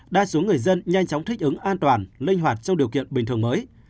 đa số người dân nhanh chóng thích ứng an toàn linh hoạt trong điều kiện bình thường mới